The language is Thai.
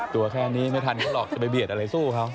ตัวแค่นี้ไม่ทันเขาหรอกจะไปเบียดอะไรสู้เขา